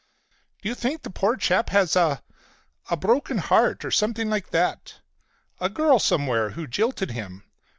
"Do you suppose the poor chap has a—a—broken heart, or something like that? A girl somewhere who jilted him?